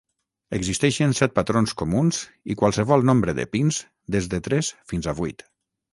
Existeixen set patrons comuns i qualsevol nombre de pins des de tres fins a vuit.